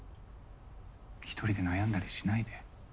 一人で悩んだりしないで。